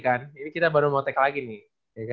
ini kita baru mau tag lagi nih